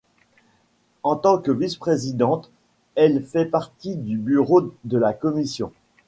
En tant que vice-présidente, elle fait partie du bureau de la commission.